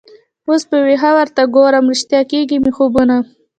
اوس په ویښه ورته ګورم ریشتیا کیږي مي خوبونه